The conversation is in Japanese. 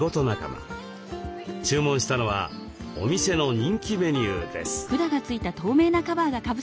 注文したのはお店の人気メニューです。